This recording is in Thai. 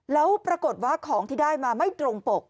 แล้วปรากฏว่าของที่ได้มาไม่ตรงปก